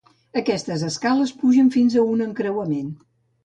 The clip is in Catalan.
Aquestes escales pugen fins a un encreuament.